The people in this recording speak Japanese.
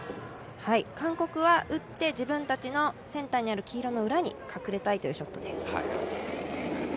韓国は打って、自分たちのセンターにある黄色の裏に隠れたいというショットです。